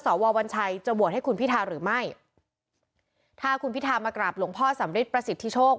วัญชัยจะโหวตให้คุณพิทาหรือไม่ถ้าคุณพิธามากราบหลวงพ่อสำริทประสิทธิโชค